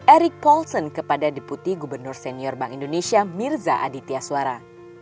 eric polsen kepada deputi gubernur senior bank indonesia mirza aditya suara